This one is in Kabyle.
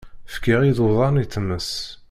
Fkiɣ iḍudan i tmes.